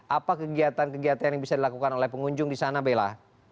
apa kegiatan kegiatan yang bisa dilakukan oleh pengunjung di sana bella